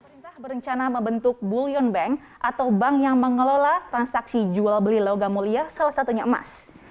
perintah berencana membentuk bulln bank atau bank yang mengelola transaksi jual beli logam mulia salah satunya emas